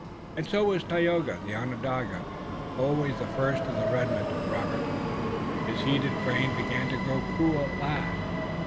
And so was Tayoga, the Onondaga, always the first of red men to Robert. His heated brain began to grow cool at last.